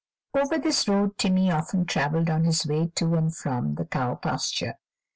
Over this road Timmy often traveled on his way to and from the cow pasture.